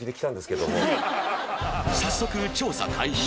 早速調査開始